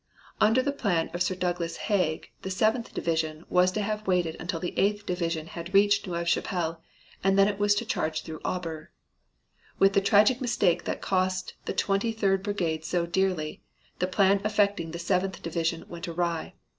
Under the plan of Sir Douglas Haig the Seventh Division was to have waited until the Eighth Division had reached Neuve Chapelle, when it was to charge through Aubers. With the tragic mistake that cost the Twenty third Brigade so dearly, the plan affecting the Seventh Division went awry.